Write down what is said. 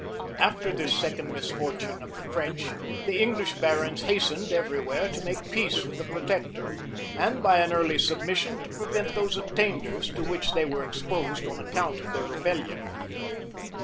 [*] After this second misfortune of the French, the English barons hastened every where to make peace with the protector, and, by an early submission, to prevent those attainders to which they were exposed on account of their rebellion.